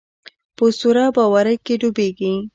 په اسطوره باورۍ کې ډوبېږي.